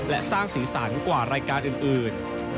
และสร้างสีสันกว่ารายการอื่น